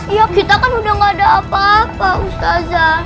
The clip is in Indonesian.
iya kita kan udah nggak ada apa apa ustazah